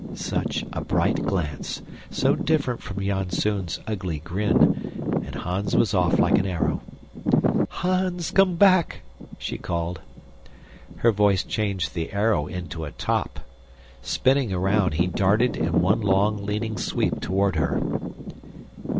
Such a bright glance! So different from Janzoon's ugly grin and Hans was off like an arrow. "Hans, come back!" she called. Her voice changed the arrow into a top. Spinning around, he darted, in one long, leaning sweep, toward her.